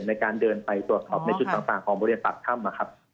ในการเดินไปตรวจสอบในชุดต่างของบริเวณปากถ้ำนะครับ